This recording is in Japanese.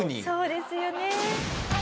そうですよね。